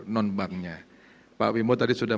non banknya pak wimbo tadi sudah